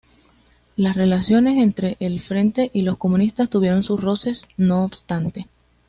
Las relaciones entre el Frente y los comunistas tuvieron sus roces, no obstante.